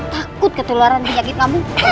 takut ketularan penyakit tbc